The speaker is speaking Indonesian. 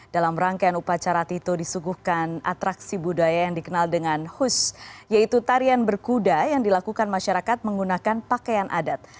dalam rangkaian upacara tito disuguhkan atraksi budaya yang dikenal dengan hus yaitu tarian berkuda yang dilakukan masyarakat menggunakan pakaian adat